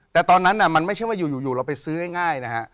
แต่ตอนนั้นมันไม่ใช่ว่าอยู่เราไปซื้อง่ายนะฮะ